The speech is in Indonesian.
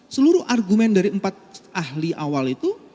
seluruh argumen dari empat ahli awal itu